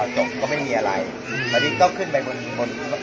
สวัสดีครับพี่เบนสวัสดีครับ